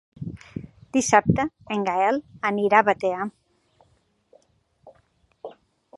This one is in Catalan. Dissabte en Gaël anirà a Batea.